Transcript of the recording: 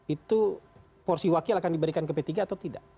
itu porsi wakil akan diberikan ke p tiga atau tidak